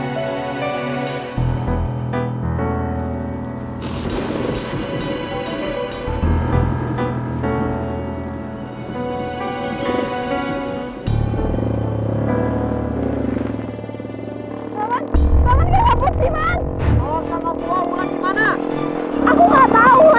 jangan kecil aja jangan